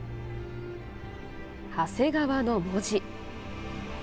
長谷川の文字。